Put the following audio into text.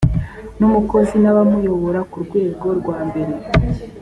n umukozi n abamuyobora ku rwego rwa mbere